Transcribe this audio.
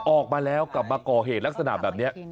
ออกมาแล้วกลับมาก่อเหตุลักษณะแบบนี้